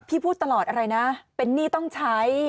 พูดตลอดอะไรนะเป็นหนี้ต้องใช้